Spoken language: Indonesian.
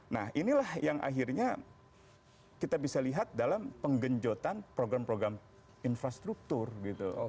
nah inilah yang akhirnya kita bisa lihat dalam penggenjotan program program infrastruktur gitu